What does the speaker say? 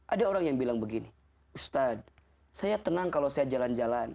ada orang yang bilang begini ustadz saya tenang kalau saya jalan jalan